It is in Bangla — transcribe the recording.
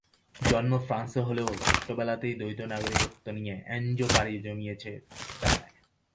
জন্ম ফ্রান্সে হলেও ছোট্টবেলাতেই দ্বৈত নাগরিকত্ব নিয়ে এনজো পাড়ি জমিয়েছে স্পেনে।